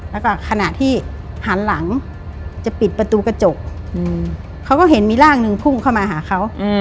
แล้วก็ขณะที่หันหลังจะปิดประตูกระจกเขาก็เห็นมีร่างหนึ่งพุ่งเข้ามาหาเขา